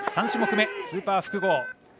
３種目め、スーパー複合。